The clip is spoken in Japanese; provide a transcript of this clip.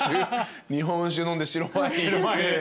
日本酒飲んで白ワインいって。